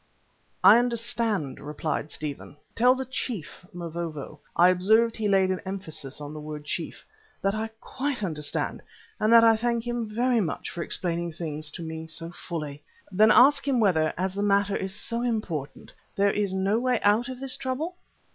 "I understand," replied Stephen. "Tell the chief, Mavovo" (I observed he laid an emphasis on the word, chief) "that I quite understand, and that I thank him very much for explaining things to me so fully. Then ask him whether, as the matter is so important, there is no way out of this trouble?"